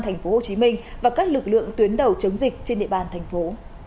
công an tp hcm và các lực lượng tuyến đầu chống dịch trên địa bàn thành phố